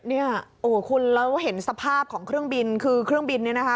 เนี่ยโอ้โหคุณแล้วเห็นสภาพของเครื่องบินคือเครื่องบินเนี่ยนะคะ